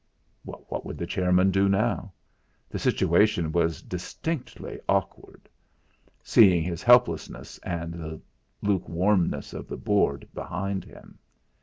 What would the chairman do now? The situation was distinctly awkward seeing his helplessness and the lukewarmness of the Board behind him.